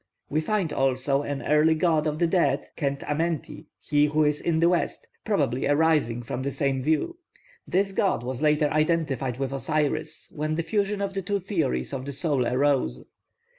We find also an early god of the dead, Khent amenti, 'he who is in the west,' probably arising from this same view. This god was later identified with Osiris when the fusion of the two theories of the soul arose.